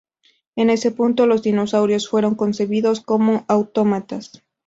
En ese punto los dinosaurios fueron concebidos como autómatas.